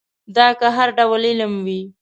دا که هر ډول علم وي.